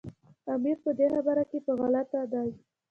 امیر په دې خبره کې په غلطه دی.